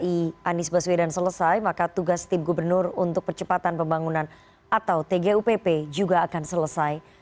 jika di anies baswedan selesai maka tugas tim gubernur untuk percepatan pembangunan atau tgupp juga akan selesai